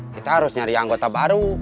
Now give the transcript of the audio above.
kita harus nyari anggota baru